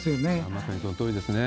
まさにそのとおりですね。